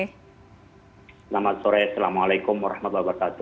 selamat sore assalamualaikum warahmatullahi wabarakatuh